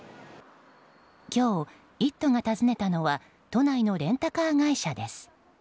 今日、「イット！」が訪ねたのは都内のレンタカー会社です。